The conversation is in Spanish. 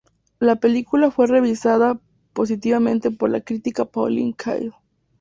La película fue revisada positivamente por la crítica Pauline Kael.